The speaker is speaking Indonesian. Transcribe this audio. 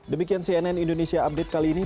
demikian cnn indonesia update kali ini